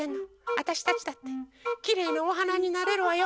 わたしたちだってきれいなおはなになれるわよ！